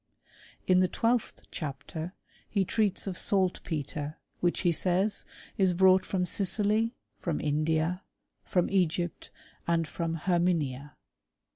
In the twelfth chapter he treats of saltpetre, which, he says, is brought from Sicily, from India, from Egypt, and from Herminia.